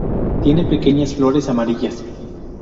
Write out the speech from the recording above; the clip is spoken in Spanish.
Tiene pequeñas flores amarillas.